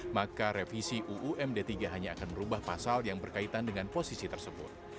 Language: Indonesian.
maka revisi uumd tiga hanya akan merubah pasal yang berkaitan dengan posisi tersebut